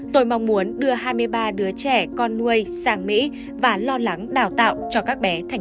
tôi mong muốn đưa hai mươi ba đứa trẻ con nuôi sang mỹ và lo lắng đào tạo cho các bé thành